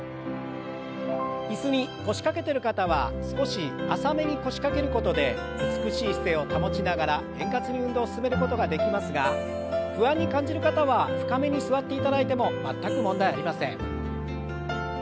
椅子に腰掛けてる方は少し浅めに腰掛けることで美しい姿勢を保ちながら円滑に運動を進めることができますが不安に感じる方は深めに座っていただいても全く問題ありません。